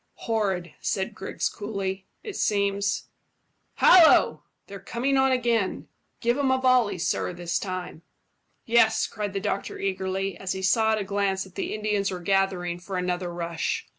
"Horrid," said Griggs coolly. "It seems Hallo! They're coming on again. Give 'em a volley, sir, this time." "Yes," cried the doctor eagerly, as he saw at a glance that the Indians were gathering for another rush.